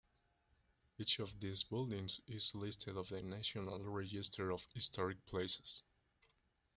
Each of these buildings is listed on the National Register of Historic Places.